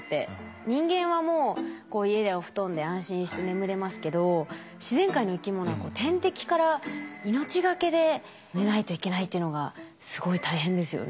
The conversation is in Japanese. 人間はもう家でお布団で安心して眠れますけど自然界の生きものは天敵から命がけで寝ないといけないというのがすごい大変ですよね。